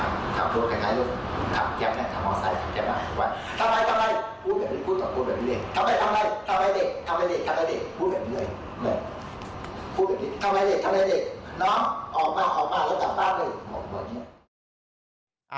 น้องออกมาแล้วจับบ้านเลยออกมา